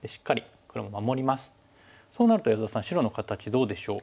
そうなると安田さん白の形どうでしょう？